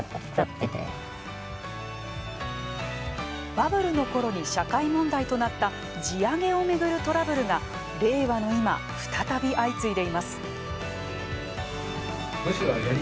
バブルの頃に社会問題となった「地上げ」を巡るトラブルが令和の今、再び相次いでいます。